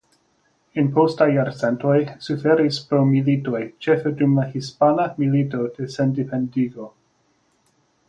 En postaj jarcentoj suferis pro militoj ĉefe dum la Hispana Milito de Sendependigo.